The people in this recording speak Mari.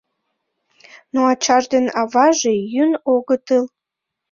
Но ачаж ден аваже йӱын огытыл.